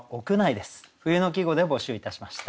冬の季語で募集いたしました。